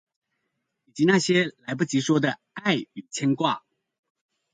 以及那些來不及說的愛與牽掛